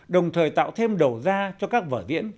đồng thời tạo thêm đầu ra cho các vở diễn